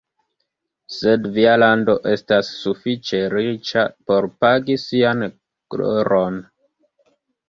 Sed via lando estas sufiĉe riĉa por pagi sian gloron.